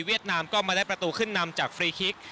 นามก็มาได้ประตูขึ้นนำจากฟรีคิก